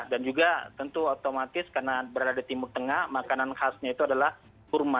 dan juga tentu otomatis karena berada di timur tengah makanan khasnya itu adalah kurma